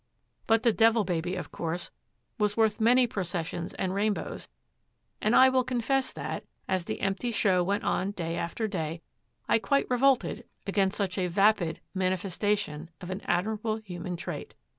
But the Devil Baby of course was worth many processions and rainbows, and I will confess that, as the empty show went on day after day, I quite revolted against such a vapid manifestation of an admirable human trait.